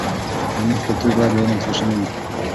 زموږ کلتور باید د علم سرچینه وي.